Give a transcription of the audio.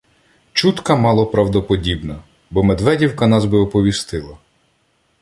Чутка малоправдоподібна, бо Медведівка нас би оповістила.